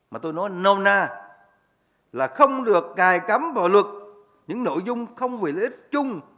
mà tôi nói nôn na là không được cài cấm vào luật những nội dung không về lợi ích chung